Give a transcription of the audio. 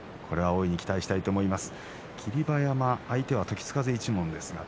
大いに期待したいと思います